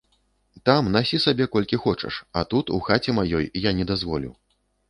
Там насі сабе колькі хочаш, а тут, у хаце маёй, я не дазволю.